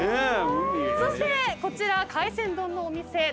そしてこちら海鮮丼のお店。